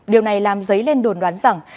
điều này làm giấy lên đồn đoán rằng